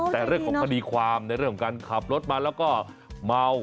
แต่เรื่องของคดีความในเรื่องของการขับรถมาแล้วก็เมา